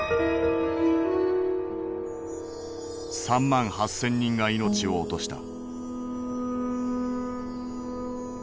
３万８，０００人が命を落とした。